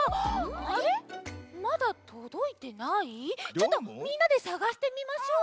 ちょっとみんなでさがしてみましょう。